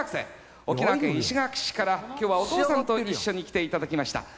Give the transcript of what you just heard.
沖縄県石垣市から今日はお父さんと一緒に来ていただきました。